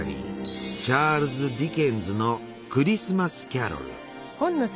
チャールズ・ディケンズの「クリスマス・キャロル」。